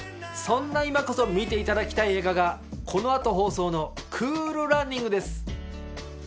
そんな今こそ見ていただきたい映画がこの後放送の『クール・ランニング』です。